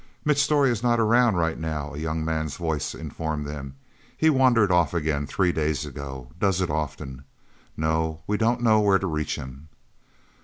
"Mitchell Storey is not around right now," a young man's voice informed them. "He wandered off again, three days ago. Does it often... No we don't know where to reach him..."